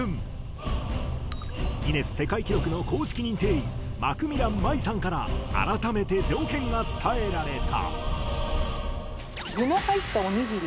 ギネス世界記録の公式認定員マクミラン舞さんから改めて条件が伝えられた。